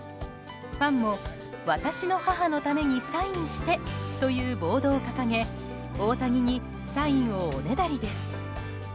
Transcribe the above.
ファンも私の母のためにサインしてというボードを掲げ大谷にサインをおねだりです。